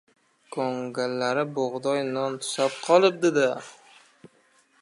Ko‘ngillari bug‘doy non tusab qolibdi-da…